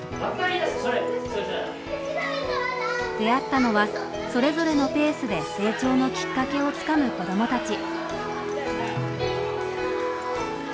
出会ったのはそれぞれのペースで成長のきっかけをつかむ子どもたち。